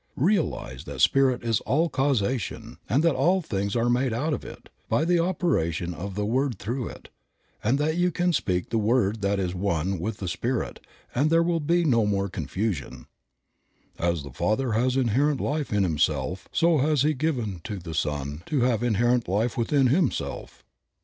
Realize that Spirit is All Causation, and that all things are made out of it, by the operation of the word through it, and that you can speak the word that is one with the Spirit and there will be no more confusion. "As the Father has inherent life in himself, so has he given to the Son to have inherent life within himself.